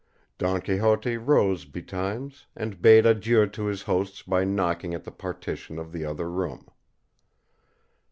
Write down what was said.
Don Quixote rose betimes, and bade adieu to his hosts by knocking at the partition of the other room.